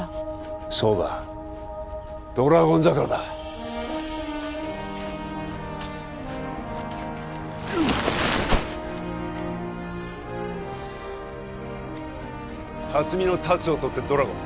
そうだドラゴン桜だよっ龍海の「龍」をとってドラゴン